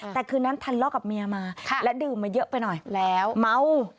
แต่คืนนั้นทะเลาะกับเมียมาและดื่มมาเยอะไปหน่อยแล้วเมา